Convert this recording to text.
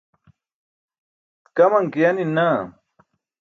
kaman ke yanin naa.